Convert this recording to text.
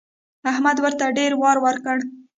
احمد ورته ډېر وار وکړ.